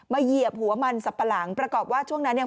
เหยียบหัวมันสับปะหลังประกอบว่าช่วงนั้นเนี่ย